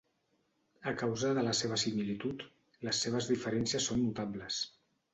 A causa de la seva similitud, les seves diferències són notables.